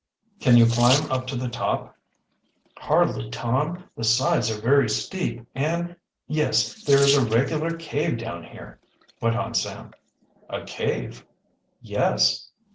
"Can you climb up to the top?" "Hardly, Tom, the sides are very steep, and yes, there is a regular cave down here," went on Sam. "A cave?" "Yes."